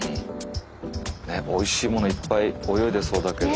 おいしいものいっぱい泳いでそうだけど。